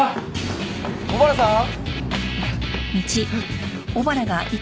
小原さん？